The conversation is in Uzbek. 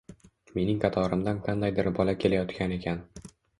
Mening qatorimdan qandaydir bola kelayotgan ekan.